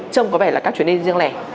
trông có vẻ là các chuyến đi riêng lẻ